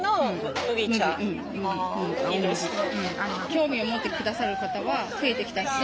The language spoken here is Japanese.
興味を持って下さる方は増えてきたし